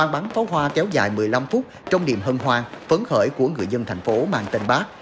bắn pháo hoa kéo dài một mươi năm phút trong niềm hân hoan phấn khởi của người dân thành phố mang tên bác